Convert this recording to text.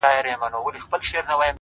هغه خو دا گراني كيسې نه كوي.